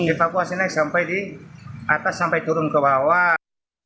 evakuasi naik sampai di atas sampai turun ke bawah